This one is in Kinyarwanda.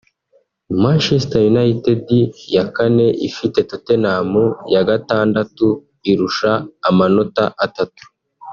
Manchester United ya kane ifite Tottenham (ya gatandatu irusha amanota atatu)